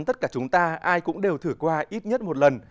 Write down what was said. tất cả chúng ta ai cũng đều thử qua ít nhất một lần